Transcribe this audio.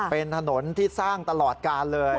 เป็นถนนที่สร้างตลอดกาลเลย